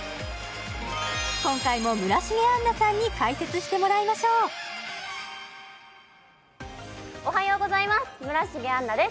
今回も村重杏奈さんに解説してもらいましょうおはようございます村重杏奈です